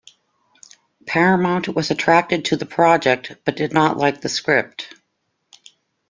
Paramount was attracted to the project but did not like the script.